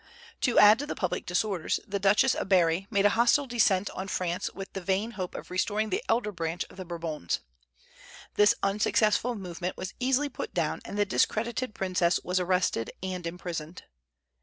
To add to the public disorders, the Duchess of Berri made a hostile descent on France with the vain hope of restoring the elder branch of the Bourbons. This unsuccessful movement was easily put down, and the discredited princess was arrested and imprisoned.